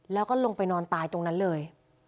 แล้วก็ลงไปนอนตายตรงนั้นเลย